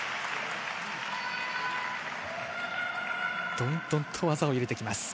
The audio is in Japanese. どんどん技を入れてきます。